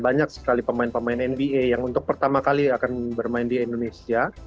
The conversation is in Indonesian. banyak sekali pemain pemain nba yang untuk pertama kali akan bermain di indonesia